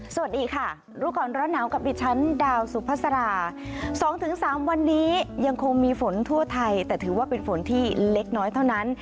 สวัสดีค่ะรู้ก่อนร้อนหนาวกับดิฉันดาวสุภาษา๒๓วันนี้ยังคงมีฝนทั่วไทยแต่ถือว่าเป็นฝนที่เล็กน้อยเท่านั้น